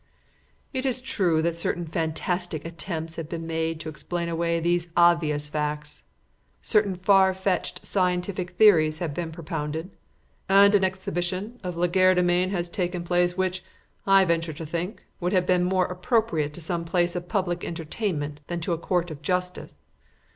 "It is true that certain fantastic attempts have been made to explain away these obvious facts. Certain far fetched scientific theories have been propounded and an exhibition of legerdemain has taken place which, I venture to think, would have been more appropriate to some place of public entertainment than to a court of justice.